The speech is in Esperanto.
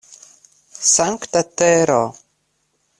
Sankta tero!